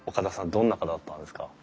どんな方だったんですか？